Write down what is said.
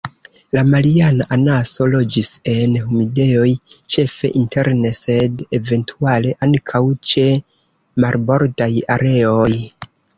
La Mariana anaso loĝis en humidejoj, ĉefe interne sed eventuale ankaŭ ĉe marbordaj areoj.